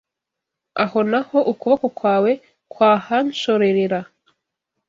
Aho na ho ukuboko kwawe kwahanshorerera